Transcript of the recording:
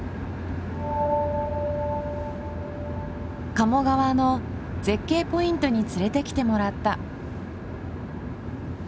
鴨川の絶景ポイントに連れてきてもらった。